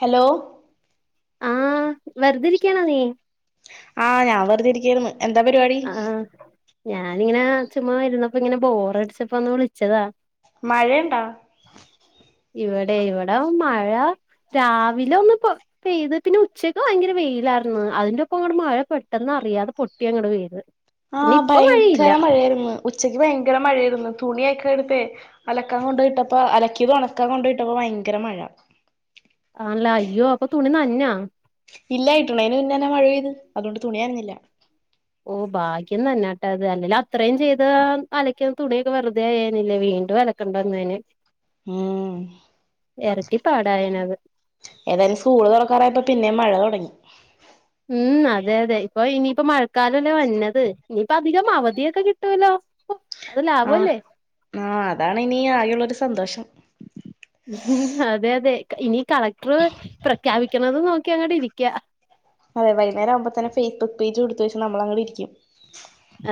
Hello ആഹ് വെറുതിരിക്കാണോ നീ ആഹ് ഞാൻ വെറുതെരിക്കാരുന്നു എന്താ പരിപാടി ആഹ് ഞാനിങ്ങനെ ചുമ്മാ ഇരുന്നപ്പോ ഇങ്ങനെ ബോറടിച്ചപ്പോ ഒന്ന് വിളിച്ചതാ മഴണ്ടോ ഇവിടെ ഇവിടെ മഴ രാവിലെ ഒന്ന്പ്പോ പെയ്ത് പിന്നെ ഉച്ചക്ക് ഭയങ്കര വെയിലാരുന്നു അതിന്റെ ഒപ്പം അങ്ങട് മഴ പെട്ടെന്ന് അറിയാതെ പൊട്ടി അങ്ങട് പെയ്ത് പിന്നെ ആഹ് ഇപ്പൊ മഴയില്ല ഭയങ്കര മഴയാര്ന്നു ഉച്ചക്ക് ഭയങ്കര മഴാരുന്ന് തുണി ഒക്കെ എടുത്തേയ് അലക്കാൻ കൊണ്ടോയിട്ടപ്പോ അലക്കിയത് ഒണക്കാൻ കൊണ്ടോയിട്ടപ്പോ ഭയങ്കര മഴ ആണല്ലേ അയ്യോ അപ്പൊ തുണി നൻഞ്ഞോ ഇല്ലാ ഇടണേനു മുന്നന്നെ മഴ പെയ്ത് അതുകൊണ്ട് തുണി നനഞ്ഞില്ല ഓഹ് ഭാഗ്യം തന്നെട്ടെ അത് അല്ലെ അത്രയും ചെയ്ത് ആ അലക്കിയ തുണിയൊക്കെ വെറുതെ ആയെനില്ലേ വീണ്ടും അല കണ്ടന്നേന് ഉം എരട്ടി പാടായേനത് ഏതായാലും സ്കൂള് തൊറക്കാറായപ്പോ പിന്നേം മഴ തൊടങ്ങി ഉം അതെ അതെ ഇപ്പൊ ഇനിയിപ്പോ മഴക്കാലം അല്ലേ വര്ന്നത് ഇനിയിപ്പം അധികം അവധിയൊക്കെ കിട്ട്‌വല്ലോ? ഉ ആഹ് ആഹ് അതാണ് ഇനി ആകെയുള്ളൊരു സന്തോഷം. ഉം അതെ അതെ ഇനി കളക്ട്ർ പ്രഖ്യാപിക്കണത് നോക്കി അങ്ങട്ടിരിക്ക. അതെ വൈന്നേരം ആകുമ്പോതന്നെ ഫേസ്ബുക്ക് പേജൂട്തേച്ച് നമ്മളങ്ങ്ടിരിക്കും.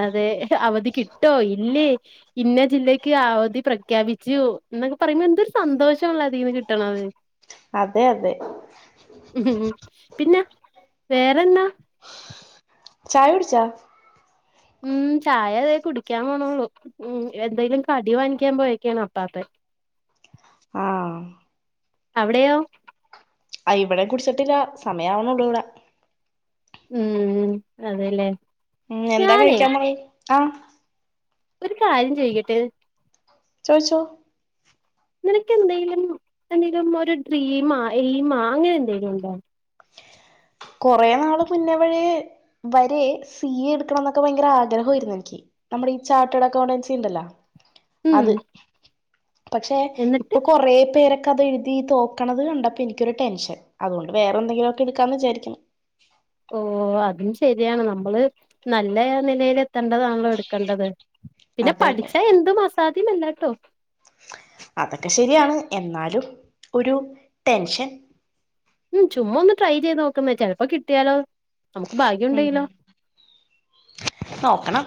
അതെ അവധി കിട്ടോ ഇല്ലേ ഇന്ന ജില്ലയ്ക്ക് അവധി പ്രഖ്യാപിച്ചു ന്നൊക്കെ പറയുമ്പോ എന്തൊരു സന്തോഷണല്ലോ അതിന്ന് കിട്ടണത്. അതെ അതെ ഉം ഉം പിന്നെ വേറെന്നാ ചായ കുടിച്ചോ? ഉം ചായ തേ കുടിക്കാൻ പോണൊള്ളൂ ഉം എന്തേലും കടി വാങ്ങിക്കാൻ പോയേക്കാണ് അപ്പാപ്പൻ ആഹ് അവിടെയോ? ആഹ് ഇവിടേം കുടിച്ചിട്ടില്ല സമയാവുണൊള്ളൂ ഇവ്ടെ ഉം അതെല്ലേ ഉം എന്താ ഞാനേ കഴിക്കാൻ പറയ് ആഹ് ഒരു കാര്യം ചോയ്ക്കെട്ടെ? ചോയ്ച്ചോ? നിനക്കെന്തേലും എന്തെങ്കിലും ഒരു ഡ്രീമാ എയിമാ അങ്ങനെ എന്തേലും ഉണ്ടോ? കൊറെ നാള് മുന്നേ വഴി വരെ സി എ എടുക്കണംന്നൊക്കെ ഭയങ്കര ആഗ്രഹവായിരുന്നു എനിക്ക്. നമ്മുടെ ഈ ചാർട്ടേഡ് അക്കൗണ്ടൻസി ഉണ്ടല്ലോ ഉം അത് പക്ഷെ എന്നിട്ട് ഇപ്പൊ കൊ കൊറേ പേരൊക്കെ അത് എഴുതി തോക്കണത് കണ്ടപ്പം എനിക്കൊരു ടെൻഷൻ. അതുകൊണ്ട് വേറെന്തെങ്കിലൊക്കെ എടുക്കാന്ന് വിചാരിക്കുന്നു. ഓഹ് അതും ശരിയാണ് നമ്മള് നല്ല നിലയ്‌ലെ ത്തണ്ടതാണല്ലോ എടുക്കണ്ടത്. പിന്നെ അതെ അതെ പഠിച്ചാ എന്തും അസാധ്യമല്ലാട്ടോ അതൊക്കെ ശരിയാണ് എന്നാലും ഒരു ടെൻഷൻ. ഉം ചുമ്മാ ഒന്ന് ട്രൈ ചെയ്ത് നോക്കുന്നേ ചെലപ്പോ കിട്ടിയാലോ? നമുക്ക് ഭാഗ്യം ഉം ഉണ്ടെങ്കിലോ നോക്കണം.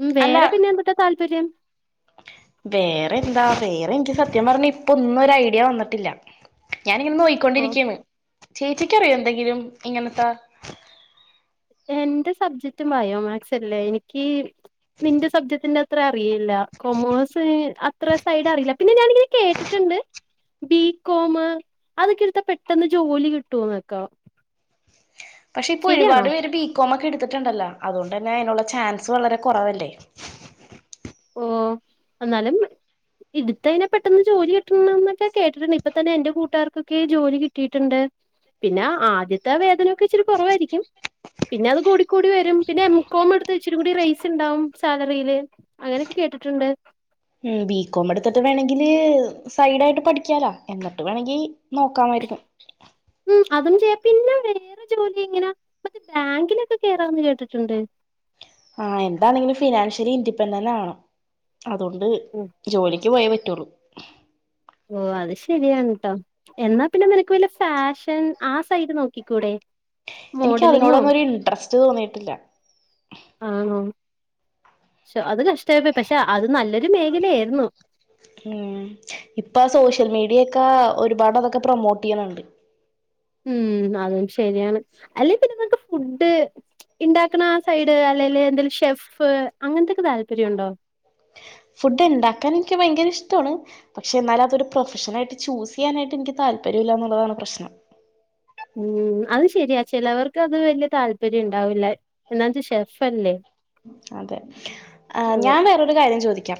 ഉം വേറെ അല്ല പിന്നെന്തൂട്ടാ താല്പര്യം? വേറെ എന്താ വേറെ എനിക്ക് സത്യം പറഞ്ഞ ഇപ്പൊ ഒന്നും ഒരു ഐഡിയ വന്നിട്ടില്ല ഞാനിങ്ങനെ നൊയ് ഓ ക്കോണ്ടിരിക്കാണ് ചേച്ചിക്കറിയോ എന്തെങ്കിലും ഇങ്ങനത്താ? എന്റെ സബ്ജക്ടും ബയോമാതസ് അല്ലേ എനിക്ക് നിന്റെ സബ്ജക്ടിന്റെ ത്ര അറിയില്ല കൊമേഴ്സ് അത്ര സൈഡ് അറിയില്ല പിന്നെ ഞാനിങ്ങനെ കേട്ടിട്ടുണ്ട്. ബീകോം അതൊക്കെ എടുത്താ പെട്ടെന്ന് ജോലി കിട്ടൂന്നൊക്കെ. പക്ഷെ ശരിയാണോ ഇപ്പോരുപാട് പേര് ബീകോം ഒക്കെ എടുത്തിട്ടുണ്ടല്ലോ അതുകൊണ്ട് തന്നെ അതിനുള്ള ചാൻസ് വളരെ കുറവല്ലേ. ഉം എന്നാലും ഇടുത്തൈന പെട്ടെന്ന് ജോലി കിട്ടണംന്ന് എന്നൊക്കെ കേട്ടിട്ടുണ്ട്. ഇപ്പൊ തന്നെ എന്റെ കൂട്ടാർക്കൊക്കെ ജോലി കിട്ടീട്ട്ണ്ട്. പിന്നെ ആദ്യത്തെ വേദനൊക്കെ ഇച്ചിരി കൊറവായിരിക്കും. പിന്നെ അത് കൂടിക്കൂടി വരും പിന്നെ എം കോം മെടുത്ത ഇച്ചിരി കൂടി റൈസ് ണ്ടാവും സാലറിയില്. അങ്ങനെ ഒക്കെ കേട്ടിട്ടുണ്ട് ഉം ബികോമെടുത്തിട്ട് വേണെങ്കില് സൈഡായിട്ട് പഠിക്കാലാ എന്നിട്ട് വേണങ്കി നോക്കാമായിരുന്നു. ഉം അതും ചെയ്യ. പിന്നെ വേറ ജോലി ഇങ്ങന [inaudible] ബാങ്കിനൊക്കെ കേറാന്ന് കേട്ടിട്ടുണ്ട്. ആഹ് എന്താണെങ്കിലും ഫിനാഷ്യലി ഇൻഡിപ്പെൻഡന്റ് ആവണം. അതോണ്ട് ഓ ജോലിക്ക് പോയേ പറ്റുള്ളൂ. ഓ അത് ശരിയാണ് ട്ടോ. എന്നാ പിന്നെ നിനക്ക് വല്ല ഫാഷൻ ആ സൈഡ് നോക്കിക്കൂടെ? എനിക്ക് മോഡലിങ്ങോ അതിനോടൊന്നും ഒരു ഇൻട്രസ്റ്റ് തോന്നിട്ടില്ല. ആണോ? ശോ അത് കഷ്ടയി പക്ഷെ അത് നല്ലൊരു മേഖല ആയിരുന്നു. ഉം ഇപ്പ സോഷ്യൽ മീഡിയൊക്ക ഒരുപാട് അതൊക്കെ പ്രൊമോട്ട് ചെയ്യ്ണിണ്ട്. ഉം അതും ശരിയാണ് അല്ലെ പിന്നെ നിൻക്ക് ഫുഡ് ഇണ്ടാക്കണ ആ സൈഡ് അല്ലേല് എന്തെലും ഷെഫ് അങ്ങനത്തെക്കെ താല്പര്യം ഒണ്ടോ? ഫുഡ് ഇണ്ടാക്കാൻ എനിക്ക് ഭയങ്കര ഇഷ്ട്ടോണ്. പക്ഷെ എന്നാല് അതൊരു പ്രൊഫഷൻ ആയിട്ട് ചൂസെയ്യാനായിട്ട് എനിക്ക് താല്പര്യം ഇല്ല എന്ന് ഉള്ളതാണ് പ്രശ്നം. ഉം അത് ശരിയാ ചിലവർക്ക് അത് വലിയ താല്പര്യം ഉണ്ടാവില്ല എന്നാത് ഷെഫ് അല്ലെ? അതെ ആഹ് ഞാൻ വേറൊരു കാര്യം ചോദിക്കാം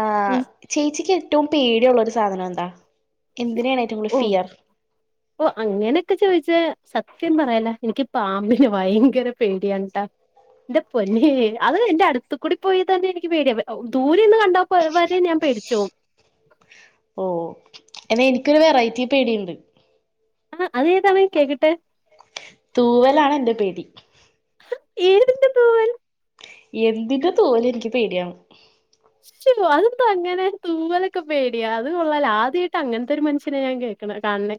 ആഹ് ഉം ചേച്ചിക്ക് ഏറ്റോം പേടി ഒള്ള ഒരു സാധനം എന്താ എന്തിനാണ് ഏറ്റവും കൂടുതൽ ഓ ഫിയർ? [inaudible] ഓ അങ്ങനൊക്കെ ചോയിച്ചാ സത്യം പറയാല എനിക്ക് പാമ്പിനെ ഭയങ്കര പേടിയാണ് ട്ടാ. ന്റെ പൊന്നേ അത് എന്റെ അടുത്തുകൂടി പോയി തന്നെ എനിക്ക് പേടിയ ദൂരെന്ന് കണ്ട ഒരു വരെ ഞാൻ പേടിചോവും. ഓ എന്നാ എനിക്കൊരു വെറൈറ്റി പേടിയിണ്ട് ആഹ് അത് ഏതാണ് കേക്കട്ടെ. തൂവലാണ് എൻ്റെ പേടി. ഏതിന്റെ തൂവൽ? എന്തിന്റെ തൂവലും എനിക്ക് പേടിയാണ്. ഉയ്യോ അതെന്താ അങ്ങനെ തൂവലൊക്കെ പേടിയാ അത് കൊള്ളാല ആദ്യായിട്ട അങ്ങനത്തെ ഒരു മനുഷ്യനെ ഞാൻ കേ ക്ക്ണ് കാണുണെ.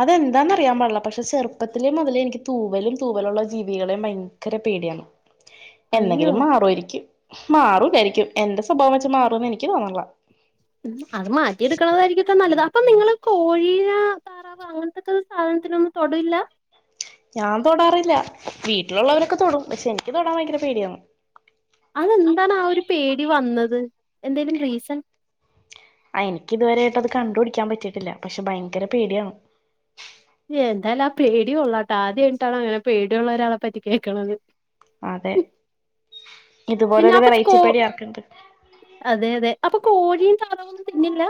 അതെന്താന്ന് അറിയാൻ പാടില്ല പക്ഷെ ചെറുപ്പത്തിലെ മുതലേ എനിക്ക് തൂവലും തൂവലുള്ള ജീവികളെയും ഭയങ്കര പേടിയാണ്. [inaudible] എന്നെങ്കിലും മാറുവായിരിക്കും മാറൂവിചാരിക്കും എന്റെ സ്വഭാവം വെച്ച് മാറൂന്ന് എനിക്ക് തോന്നണില്ല ഉം അത് മാറ്റി എടുക്കണതായിരിക്കും ട്ടാ നല്ലത് അപ്പൊ നിങ്ങള് കോഴീന അങ്ങനത്തെക്കെ സാധനത്തിലൊന്നും തൊടില്ല ഞാൻ തൊടാറില്ല വീട്ടിലുള്ളവരൊക്കെ തൊടും പക്ഷെ എനിക്ക് തൊടാൻ ഭയങ്കര പേടിയ അതെന്താണ് ആ ഒരു പേടി വന്നത് എന്തേലും റീസൺ ആ എനിക്ക് ഇതുവരയിട്ട് അത് കണ്ട്പിടിക്കാൻ പറ്റിയിട്ടില്ല പക്ഷെ ഭയങ്കര പേടിയാണ് എന്തായാലും ആ പേടികൊള്ളാട്ടോ ആദ്യായിട്ടാണ് അങ്ങനെ പേടിയുള്ള ഒരാളെ പറ്റി കേൾക്കണത് അതെ പിന്നെ ഇതുപോലരു അപ്പൊ കോ വെറൈറ്റിപ്പേടി ആർക്കുണ്ട് അതെ അതെ അപ്പൊ കോഴിയും താറാവൊന്നും തിന്നില്ല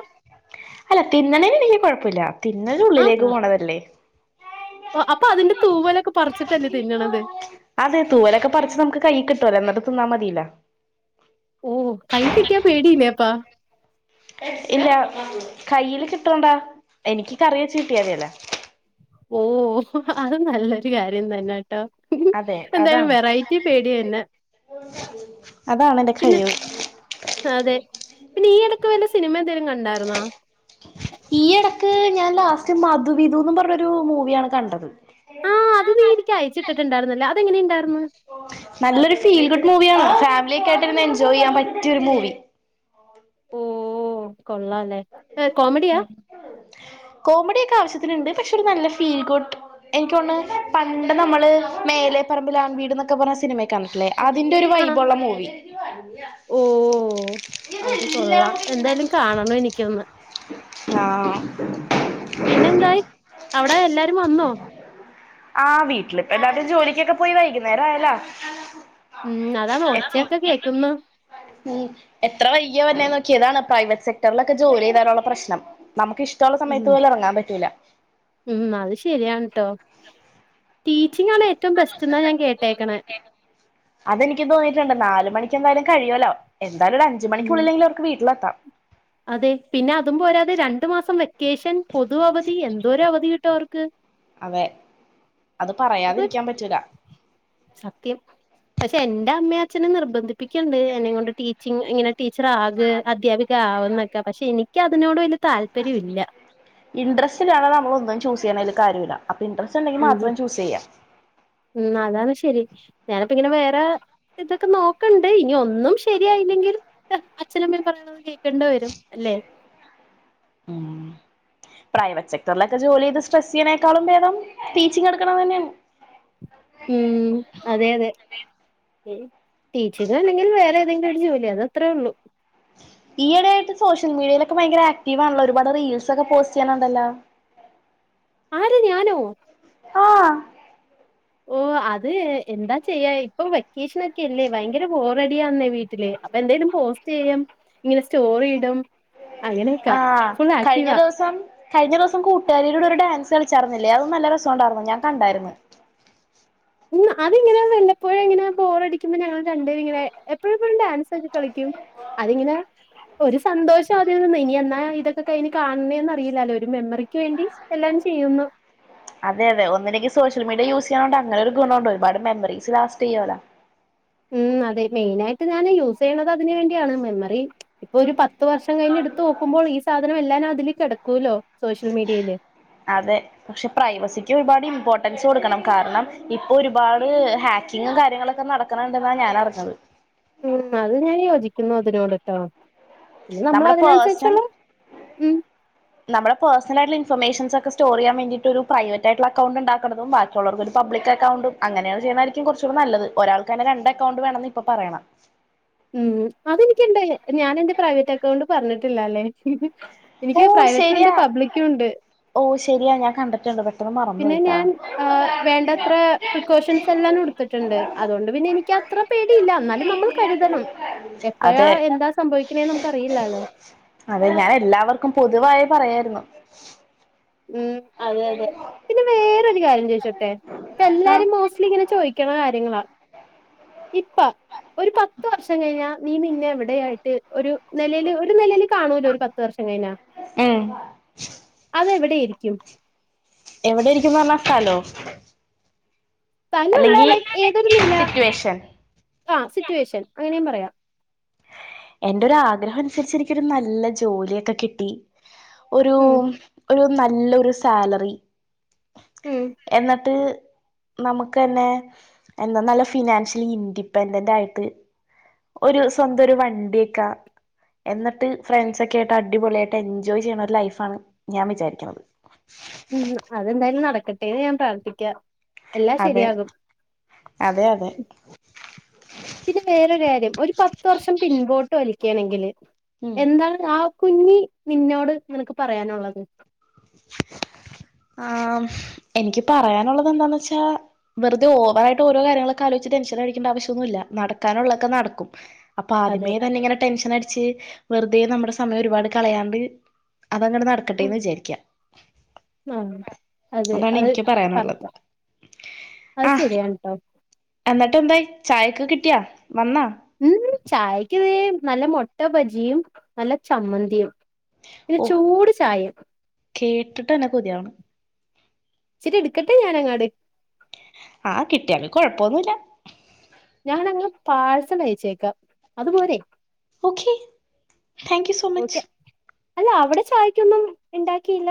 അല്ല തിന്നണേന് എനിക്ക് കുഴപ്പമില്ല തിന്നല് ഉള്ളിലേക്ക് പോണതല്ലേ ഓഹ് അപ്പൊ അതിന്റെ തൂവലൊക്കെ പറച്ചിട്ടല്ലേ തിന്നണത് അതെ തൂവലൊക്കെ പറിച്ച് നമുക്ക് കൈയി കിട്ടുവല്ലോ എന്നിട്ട് തിന്നാ മതില്ലൊ ഓഹ് കൈ കിട്ടിയാ പേടില്ലേപ്പാ ഇല്ല കയ്യില് കിട്ടണ്ടാ എനിക്ക് കറിവെച്ച് കിട്ടിയാമതിയല്ലോ ഓഹ് അത് നല്ലൊരു കാര്യം തന്നാട്ടോ അതെ എന്തായാലും അതാണ് വെറൈറ്റി പേടിയന്നെ അതാണന്റെ കഴിവ് അതെ പിന്നെഈ ഇടക്ക് വല്ല സിനിമ എന്തെലും കണ്ടാർന്ന ഈ എടക്ക് ഞാൻ ലാസ്റ്റ് മധുവിധുന്നും പറഞ്ഞൊരു മൂവിയാണ് കണ്ടത് ആ അത് നീ എനിക്ക് അയച്ചിട്ടിട്ട്ണ്ടാർന്നില്ല അതെങ്ങനെ ഇണ്ടാർന്ന് നല്ലൊരു ഫീൽ ഗുഡ് മൂവിയാണ് ഫാമിലിയൊക്കെ ആയിട്ട് ഇരുന്ന് എൻജോയ് ചെയ്യാൻ പറ്റിയൊരു മൂവി ഓഹ് കൊള്ളാല്ലേ ഏ, ഉം [inaudible] കോമഡിയക്കെ ആവശ്യത്തിന്ണ്ട് പക്ഷെ ഒരു നല്ല ഫീൽ [unintelligible] എനിക്കോന്ന്ണ് പണ്ട് നമ്മള് മേലെ പറമ്പില് ആൺ വീട്ന്നൊക്കെ പറഞ്ഞ സിനിമയെ കണ്ടിട്ടില്ലേ അതിന്റൊരു വൈബുള്ള മൂവി ഓഹ് അത് കൊള്ളാം എന്തായാലും കാണണം എനിക്കൊന്ന് ആഹ് പിന്നെ എന്തായി അവിടെ എല്ലാരും വന്നോ ആഹ് വീട്ടിലിപ്പ എല്ലാരും ജോലിക്കൊക്കെ പോയി വൈകുന്നേരം ആയല്ലോ ഉം അതാണ് എത്തി ഒച്ചയൊക്കെ കേക്കുന്ന് ഉം എത്ര വെയ്കിയ വരണെ നോക്കിയെ ഇതാണ് പ്രൈവറ്റ് സെക്ടറിലൊക്കെ ജോലി ചെയ്താലുള്ള പ്രശ്നം നമുക്ക് ഇഷ്ടമുള്ള ഉം സമയത്ത് പോലും ഇറങ്ങാൻ പറ്റൂല്ല ഉം അത് ശരിയാണ് ട്ടോ ടീച്ചിങ്ങ് ആണ് ഏറ്റവും ബെസ്റ്റ് എന്നാ ഞാൻ കേട്ടേക്കണെ. അതെനിക്കും തോന്നിയിട്ടുണ്ട് നാല് മണിക്ക് എന്തായാലും കഴിയുവല്ലോ എന്തായാലും ഒരു അഞ്ച് ഉം മണിക്കുള്ളില്ലെങ്കിലും അവർക്ക് വീട്ടിലെത്താം അതെ പിന്നെ അതും പോരാതെ രണ്ടു മാസം വെക്കേഷൻ പൊതു അവധി എന്തോരം അവധി കിട്ടും അവർക്ക്. അതെ അത് അതൊക്കെ പറയാതിരിക്കാൻ പറ്റൂല സത്യം പക്ഷെ എന്റെ അമ്മയും അച്ഛനും നിർബന്ധിപ്പിക്കണ്ട് എന്നെയും കൊണ്ട് ടീച്ചിങ് ഇങ്ങനെ ടീച്ചർ ആക് അധ്യാപിക ആവ് എന്നൊക്കെ പക്ഷെ എനിക്ക് അതിനോട് വലിയ താല്പര്യം ഇല്ല ഇൻട്രസ്റ്റ് ഇല്ലാതെ നമ്മള് ഒന്നും ചൂസ് ചെയ്യണേല് കാര്യവില്ല അപ്പ ഇൻട്രസ്റ്റ് ഉണ്ടെങ്കി ഉം ഹും. മാത്രം ചൂസ് ചെയ്യാം ഉം അതാണ് ശെരി ഞാനിപ്പ ഇങ്ങനെ വേറെ ഇതൊക്കെ നോക്കണ്ട് ഇനി ഒന്നും ശരിയായില്ലെങ്കിൽ അച്ഛനമ്മേ പറയുന്ന പോലെ കേൾക്കേണ്ട വരും അല്ലെ ആഹ് പ്രൈവറ്റ് സെക്ട്ടറിലൊക്കെ ജോലി ചെയ്ത് സ്‌ട്രെസ് ചെയ്യനേക്കാളും ഭേദം ടീച്ചിങ് എടുക്കണതന്നെയാണ് ഉം അതെ അതെ ടീച്ചർ അല്ലെങ്കിൽ വേറെ ഏതെങ്കിലും ഒരു ജോലി അത് അത്രേ ഉള്ളൂ ഈ ഇടയായിട്ട് സോഷ്യൽ മീഡിയയിലൊക്കെ ഭയങ്കര ആക്റ്റീവാണല്ലൊ ഒരുപാട് റീൽസ് ഒക്കെ പോസ്റ്റ് ചെയ്യണുണ്ടല്ലോ. ആര് ഞാനോ ആഹ് ഓ അത് എന്താ ചെയ്യാ ഇപ്പൊ വെക്കേഷനൊക്കെല്ലേ ഭയങ്കര ബോറഡിയാന്നേ വീട്ടില് അപ്പൊ എന്തെലും പോസ്റ്റ് ചെയ്യും ഇങ്ങനെ സ്റ്റോറി ഇടും അങ്ങനെയൊക്കാ ആഹ് ഫുൾ കഴിഞ്ഞ ആക്റ്റീവാ ദിവസം കഴിഞ്ഞ ദിവസം കൂട്ടുകാരിടെ ഒരു ഡാൻസ് കളിച്ചാരുന്നില്ലേ അതും നല്ല രസം ഉണ്ടായിരുന്നു ഞാൻ കണ്ടായിരുന്നു. ഉം അതിങ്ങനെ വല്ലപ്പോഴും ഇങ്ങനെ ബോറടിക്കുമ്പോ ഞങ്ങൾ രണ്ടേരു ഇങ്ങനെ എപ്പോഴെപ്പോഴും ഡാൻസ് ഒക്കെ കളിക്കും അതിങ്ങനെ ഒരു സന്തോഷം അതിൽ നിന്ന് ഇനി എന്നാ ഇതൊക്കെ കഴിഞ്ഞ് കാണണേന്ന് അറിയില്ലാല്ലോ ഒരു മെമ്മറിക്ക് വേണ്ടി. എല്ലാം ചെയ്യുന്നു അതെ അതെ ഒന്നെല്ലെങ്കി സോഷ്യൽ മേഡിയ യൂസ് ചെയ്യണോണ്ട് അങ്ങനെ ഒരു ഗുണുണ്ട് ഒരുപാട് മെമ്മറിസ് ലാസ്റ്റ് ചെയ്യുവല്ലോ ഉം അതെ മെയിന് ആയിട്ട് ഞാന് യൂസ് ചെയ്യണത് അതിന് വേണ്ടിയാണ് മെമ്മറി ഇപ്പൊ ഒരു പത്ത് വർഷം കഴിഞ്ഞ് എടുത്ത് നോക്കുമ്പോൾ ഈ സാധനം എല്ലാന് അതില് കെടക്കൂല്ലോ സോഷ്യൽ മീഡിയയില് അതെ പക്ഷെ പ്രൈവസിക്ക് ഒരുപാട് ഇമ്പോർട്ടൻസ് കൊടുക്കണം കാരണം ഇപ്പൊ ഒരുപാട് ഹാക്കിങ്ങും കാര്യങ്ങളൊക്കെ നടക്കണുണ്ടെന്നാണ് ഞാൻ അറിഞ്ഞത്. ഉം അത് ഞാൻ യോജിക്കുന്നു അതിനോട് ട്ടൊ. പിന്നെ നമ്മൾ നമ്മുടെ അതിനനുസരിച്ചുള്ള മം നമ്മളെ പേർസണൽ ആയിട്ടുള്ള ഇൻഫോർമേഷൻസ് ഒക്കെ സ്റ്റോർ ചെയ്യാൻ വേണ്ടിട്ട് ഒരു പ്രൈവറ്റായിട്ടുള്ള അൗണ്ട് ഉണ്ടാക്കുന്നതും ബാക്കി മറ്റുള്ളവർക്ക് ഒരു പബ്ലിക്ക് അക്കൗണ്ടും അങ്ങനെയാണ് ചെയ്യുന്നതായിരിക്കും കുറച്ചൂടെ നല്ലത് ഒരാൾക്കന്നെ രണ്ട് അക്കൗണ്ട് വേണംന്ന് ഇപ്പൊ പറയണെ ഉം അതെനിക്കിണ്ട് ഞാന് എന്റെ പ്രൈവറ്റ് അക്കൗണ്ട് പറഞ്ഞിട്ടില്ലാലെ. ഓ എനിക്ക് പ്രൈവറ്റും ഉണ്ട് ശരിയാ പബ്ലിക്കും ഉണ്ട്. ഓ ശരിയാ ഞാൻ കണ്ടിട്ടുണ്ട് പെട്ടെന്ന് മറന്നു പിന്നെ പോയിട്ടാ ഞാൻ അഹ് വേണ്ടത്ര പ്രിക്കോഷൻസ് എല്ലാം കൊടുത്തിട്ടുണ്ട് അതുകൊണ്ട് പിന്നെ എനിക്ക് അത്ര പേടിയില്ല എന്നാലും നമ്മള് കരുതണം എപ്പോഴാ അതെ എന്താ സംഭവിക്കണേന്ന് നമുക്ക് അറിയില്ലാലോ അതെ ഞാൻ എല്ലാവർക്കും പൊതുവായി പറയരുന്നു ഉം അതെ അതെ പിന്നെ വേറൊരു കാര്യം ചോയിച്ചോട്ടെ ഇപ്പ എല്ലാരും മോ ഇങ്ങനെ ചോദിക്കണ കാര്യങ്ങളാ ഇപ്പ ഒരു പത്ത് വർഷം കഴിഞ്ഞാ നീ പിന്നെ എവിടെയായിട്ട് ഒരു ന്നലേല് ഒരു നിലേല് കാണൂലോ ഒരു പത്ത് വർഷം കഴിഞ്ഞാ ഉം അതെവി ടെയിരിക്കും എവിടെ ഇരിക്കുംന്ന് പറഞ്ഞാ സ്ഥലോ സ്ഥലല്ല അല്ലെങ്കി ലൈക്ക് ഏതൊരു നില സിറ്റുവേഷൻ ആ സിറ്റുവേഷൻ അങ്ങനെയും പറയാം എന്റെ ഒരു ആഗ്രഹം അനുസരിച്ച് എനിക്കൊരു നല്ല ജോലിയൊക്കെ കിട്ടി ഒരു ഉം ഒരു നല്ലൊരു സാലറി ഉം എന്നിട്ട് നമുക്ക് തന്നെ എന്താ നല്ല ഫിനാൻഷ്യലി ഇൻഡിപെൻഡന്റ് ആയിട്ട് ഒരു സ്വന്തം ഒരു വണ്ടിയൊക്കാ എന്നിട്ട് ഫ്രണ്ട്സ് ഒക്കെ ആയിട്ട് അടിപൊളിയായിട്ട് എൻജോയ് ചെയ്യണ ഒരു ലൈഫാണ് ഞാൻ വിചാരിക്കണത് ഉം അതെന്തായാലും നടക്കട്ടെ എന്ന് ഞാൻ പ്രാർത്ഥിക്കാം എല്ലാം അതെ ശരിയാകും അതെ അതെ പിന്നെ വേറൊരു കാര്യം ഒരു പത്ത് വർഷം പിൻപോട്ട് വലിക്കുകയാണെങ്കില് ഉം എന്താണ് രാവ് കുഞ്ഞി നിന്നോട് നിനക്ക് പറയാനുള്ളത് ആഹ് എനിക്ക് പറയാനൊള്ളത് എന്താന്ന് വെച്ചാ വെറുതെ ഓവറായിട്ട് ഓരോ കാര്യങ്ങളൾ ഒക്കെ ആലോചിച്ച് ടെൻഷൻ അടിക്കേണ്ട ആവശ്യമൊന്നുല്ല നടക്കാനുള്ളൊക്കെ നടക്കും അപ്പൊ അതെ ആദ്യമേ തന്നെ ഇങ്ങനെ ടെൻഷൻ അടിച്ച് വെറുതെ നമ്മുടെ സമയം ഒരുപാട് കളയാണ്ട് അതങ്ങട് നടക്കട്ടെ എന്ന് വിചാരിക്ക ആഹ് അതെ അതാണ് അത് എനിക്ക് പറയാനുള്ളത് കറക്റ്റാ അത് ആഹ് ശരിയാണ് ട്ടോ എന്നിട്ട് എന്തായി ചായൊക്കെ കിട്ടിയാ വന്നാ ഉം ചായക്ക് വേ നല്ല മൊട്ട ബജിയും നല്ല ചമ്മന്തിയും പിന്നെ ഓ ചൂട് ചായയും കേട്ടിട്ട് തന്നെ കൊതിയാവണു ഇച്ചിരി എടുക്കട്ടെ ഞാൻ അങ്ങാട് ആ കിട്ടിയാല് കൊഴപ്പമൊന്നുല്ല ഞാാനങ്ങ് പാഴ്സൽ അയച്ചേക്കാം അതുപോരെ okay thank you so much okay അല്ല അവിടെ ചായക്കൊന്നും ഇണ്ടാക്കിയില്ല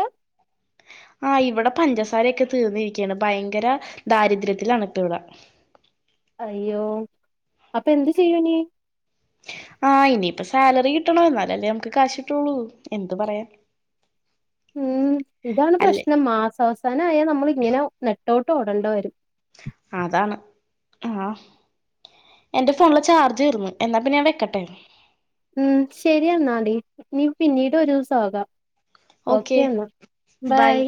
ആഹ് ഇവിടെ പഞ്ചസാരയൊക്കെ തീർന്നിരിക്കയാണ് ഭയങ്കര ദാരിദ്ര്യത്തിലാണിപ്പ ഇവിടെ അയ്യോ അപ്പൊ എന്ത് ചെയ്യു ഇനി ആഹ് ഇനിയിപ്പ സാലറി കിട്ടണം എന്നാലല്ലേ നമുക്ക് കാശ് കിട്ടുള്ളൂ എന്ത് പറയാൻ ഉം ഇതാണ് അല്ലേ പ്രശ്നം മാസ അവസാനം ആയാൽ നമ്മള് ഇങ്ങനെ നെട്ടോട്ടം ഓടേണ്ട വരും അതാണ് ആഹ് എന്റെ ഫോണിലെ ചാർജ് തീർന്നു എന്നാ പിന്ന ഞാൻ വെക്കട്ടെ ഉം ശരി എന്നാടീ ഇനി പിന്നീട് ഒരു ദിവസം ആകാം ഓക്കെ എന്ന ബൈ ബായ്